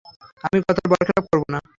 আমি কথার বরখেলাপ করব না।